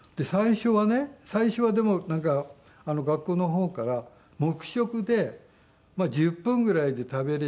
最初はでもなんか学校の方から「黙食で１０分ぐらいで食べれて」。